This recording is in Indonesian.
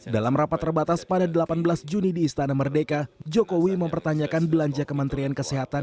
dalam rapat terbatas pada delapan belas juni di istana merdeka jokowi mempertanyakan belanja kementerian kesehatan